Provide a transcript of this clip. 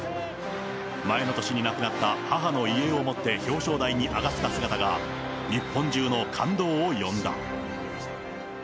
前の年に亡くなった母の遺影を持って表彰台に上がった姿が、日本中の感動を呼んだ。